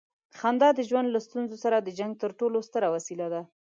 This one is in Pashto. خندا د ژوند له ستونزو سره د جنګ تر ټولو ستره وسیله ده.